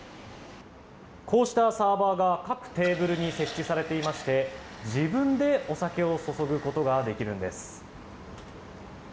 こうしたサーバーが各テーブルに設置されていまして自分でお酒を注ぐことができるんです。